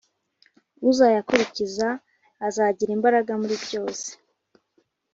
uzayakurikiza, azagira imbaraga muri byose,